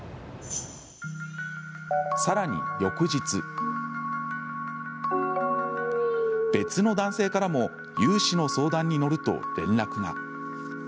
さらに翌日別の男性からも融資の相談に乗ると連絡が。